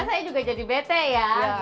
saya juga jadi bete ya